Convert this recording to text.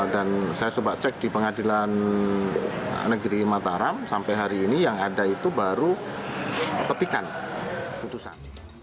dan saya coba cek di pengadilan negeri mataram sampai hari ini yang ada itu baru petikan putusan